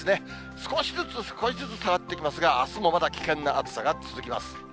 少しずつ少しずつ下がっていきますが、あすもまだ危険な暑さが続きます。